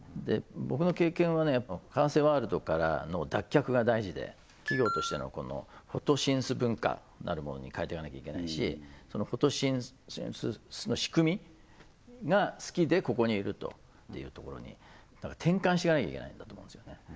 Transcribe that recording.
僕の経験はね河瀬ワールドからの脱却が大事で企業としてのＰｈｏｔｏｓｙｎｔｈ文化なるものに変えてかなきゃいけないしＰｈｏｔｏｓｙｎｔｈの仕組みが好きでここにいるというところに転換してかなきゃいけないんだと思うんですよね